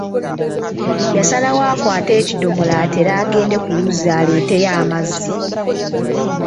Yasalawo akwate ekidomola atere agende ku luzzi aleeteyo amazzi.